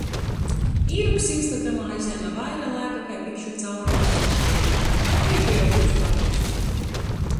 Īroksts Instagramā aizjēme vaira laika kai bikšu cauruma aizluopeišona. Dreiži jau byus par mozu.